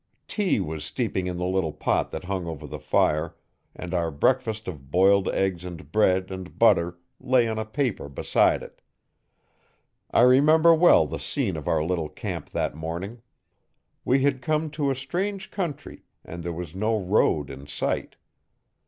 Tea was steeping in the little pot that hung over the fire, and our breakfast of boiled eggs and bread and butter lay on a paper beside it. I remember well the scene of our little camp that morning. We had come to a strange country, and there was no road in sight.